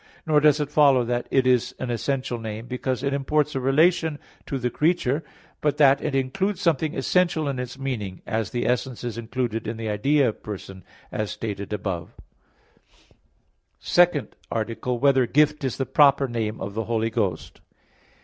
Nor does it follow that it is an essential name because it imports relation to the creature; but that it includes something essential in its meaning; as the essence is included in the idea of person, as stated above (Q. 34, A. 3). _______________________ SECOND ARTICLE [I, Q. 38, Art. 2] Whether "Gift" Is the Proper Name of the Holy Ghost?